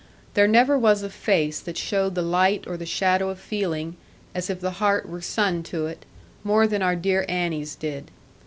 There never was a face that showed the light or the shadow of feeling, as if the heart were sun to it, more than our dear Annie's did.